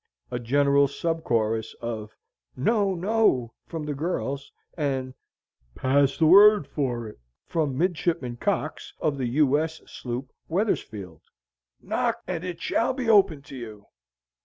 (A general sub chorus of "No, no," from the girls, and, "Pass the word for it," from Midshipman Coxe, of the U. S. sloop Wethersfield.) "Knock, and it shall be opened to you.